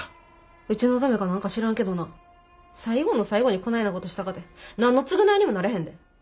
うちのためか何か知らんけどな最後の最後にこないなことしたかて何の償いにもなれへんで。